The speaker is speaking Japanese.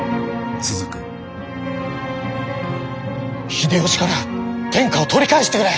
秀吉から天下を取り返してくれ！